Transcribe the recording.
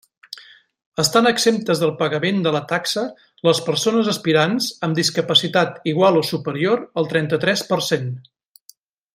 Estan exemptes del pagament de la taxa les persones aspirants amb discapacitat igual o superior al trenta-tres per cent.